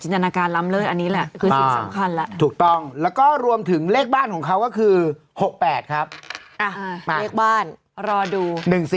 นาการล้ำเลิศอันนี้แหละคือสิ่งสำคัญแหละถูกต้องแล้วก็รวมถึงเลขบ้านของเขาก็คือ๖๘ครับหมายเลขบ้านรอดู๑๔